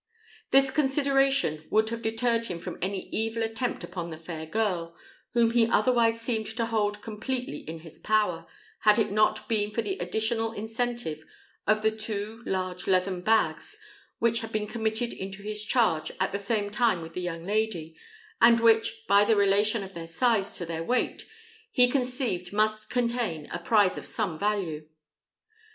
This consideration would have deterred him from any evil attempt upon the fair girl, whom he otherwise seemed to hold completely in his power, had it not been for the additional incentive of the two large leathern bags which had been committed into his charge at the same time with the young lady, and which, by the relation of their size to their weight, he conceived must contain a prize of some value.